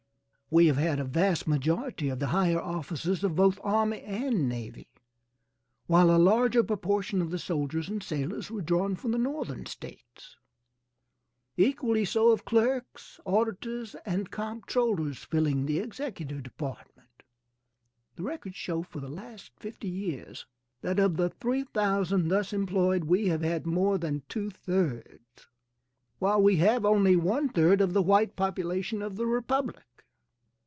We have had a vast majority of the higher officers of both army and navy, while a larger proportion of the soldiers and sailors were drawn from the Northern States. Equally so of clerks, auditors, and comptrollers, filling the executive department; the records show for the last 50 years that of the 3,000 thus employed we have had more than two thirds, while we have only one third of the white population of the Republic.